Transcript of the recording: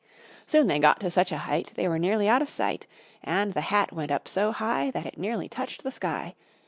Soon they got to such a height, They were nearly out of sight. And the hat went up so high, That it nearly touched the sky.